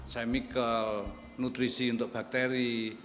semikel nutrisi untuk bakteri